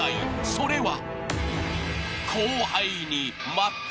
［それは］